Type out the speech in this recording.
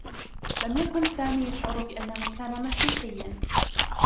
لم يكن سامي يشعر بأنّه كان مسيحيّا.